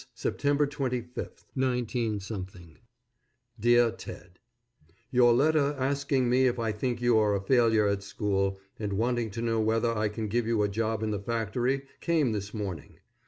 _September 25, 19 _ DEAR TED: Your letter asking me if I think you are a failure at school, and wanting to know whether I can give you a job in the factory, came this morning.